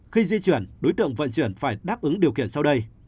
khi di chuyển đối tượng vận chuyển phải đáp ứng điều kiện sau đây